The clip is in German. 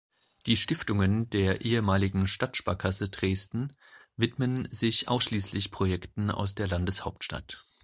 Die Stiftungen der ehemaligen Stadtsparkasse Dresden widmen sich ausschließlich Projekten aus der Landeshauptstadt.